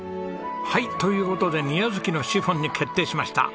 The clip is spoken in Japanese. はい！という事で煮小豆のシフォンに決定しました。